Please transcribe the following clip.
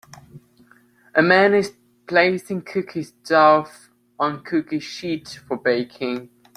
A man is placing cookie dough on cookie sheets for baking.